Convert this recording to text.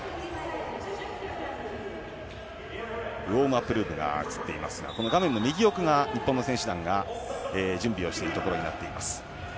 ウォームアップルームが映っていますがこの画面の右奥が日本の選手団が準備をしているところになっています。